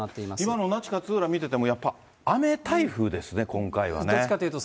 今の那智勝浦見てても、やっぱ雨台風ですね、今回はね。